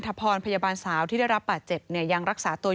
ทางตำรวจช่วยจัดการ